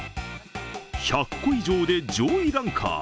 １００個以上で上位ランカー。